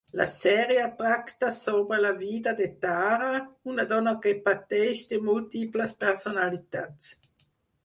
La sèrie tracta sobre la vida de Tara, una dona que pateix de múltiples personalitats.